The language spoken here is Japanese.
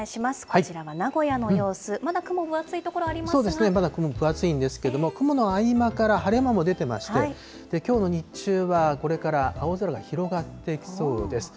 こちらは名古屋の様子、そうですね、まだ雲は分厚いんですけれども、雲の合間から晴れ間も出てまして、きょうの日中はこれから青空が広がってきそうです。